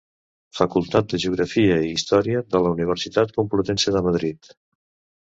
Facultat de Geografia i Història de la Universitat Complutense de Madrid.